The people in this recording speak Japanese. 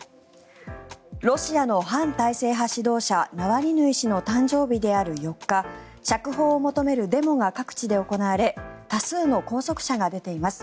ロシアの反体制派指導者ナワリヌイ氏の誕生日である４日釈放を求めるデモが各地で行われ多数の拘束者が出ています。